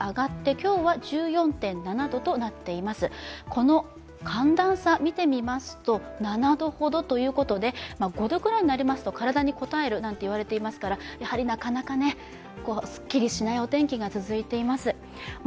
この寒暖差を見てみますと７度ほどということで、５度ぐらいになりますと体にこたえるなんて言われていますから、なかなかすっきりしないお天気が続いています。